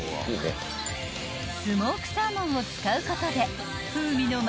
［スモークサーモンを使うことで］